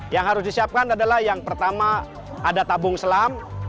yang harus disiapkan adalah yang pertama ada tabung selam